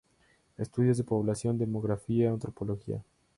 Estudios de población, demografía, antropología.